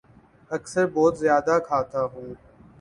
اکثر بہت زیادہ کھاتا ہوں